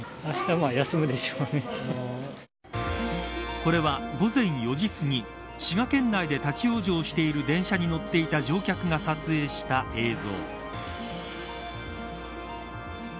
これは、午前４時すぎ滋賀県内で立ち往生している電車に乗っていた乗客が撮影した映像。